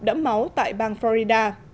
đẫm máu tại bang florida